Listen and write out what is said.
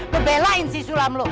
lu belain si sulam lu